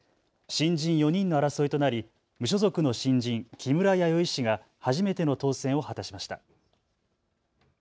新人４人の争いとなり無所属の新人、木村弥生氏が初めての当選を果たしました。